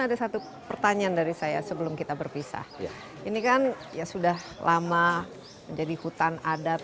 ada satu pertanyaan dari saya sebelum kita berpisah ini kan ya sudah lama menjadi hutan adat